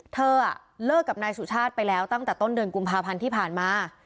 เธอเลิกกับนายสุชาติไปแล้วตั้งแต่ต้นเดือนกุมภาพันธ์ที่ผ่านมา